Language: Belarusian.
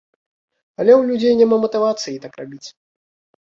Але ў людзей няма матывацыі так рабіць.